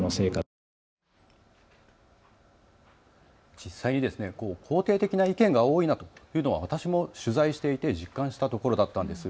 実際に肯定的な意見が多いなというのは私も取材していて実感したところだったんです。